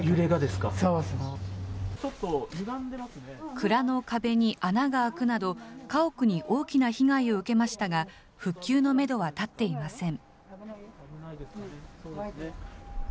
蔵の壁に穴が開くなど、家屋に大きな被害を受けましたが、復旧のメドは立っていません。